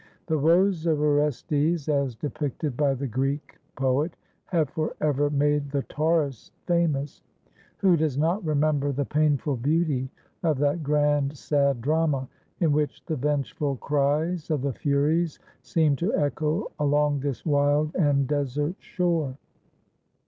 The woes of Orestes, as depicted by the Greek poet, have for ever made the Tauris famous. Who does not remember the painful beauty of that grand sad drama, in which the vengeful cries of the Furies seem to echo along this wild and desert shore?